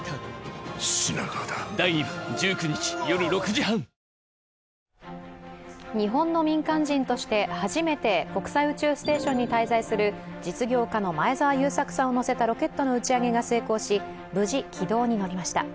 事件を受け、大泉町教育委員会は日本の民間人として初めて国際宇宙ステーションに滞在する実業家の前澤友作さんを乗せたロケットの打ち上げが成功し無事、軌道に乗りました。